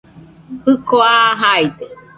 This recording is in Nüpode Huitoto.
Jiko aa jaide